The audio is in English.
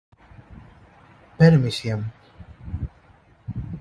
Perimysium.